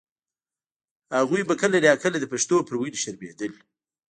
هغوی به کله نا کله د پښتو پر ویلو شرمېدل.